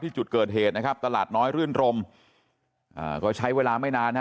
จุดเกิดเหตุนะครับตลาดน้อยรื่นรมอ่าก็ใช้เวลาไม่นานฮะ